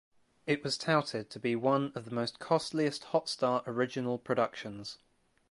It was touted to be one of the most costliest Hotstar original productions.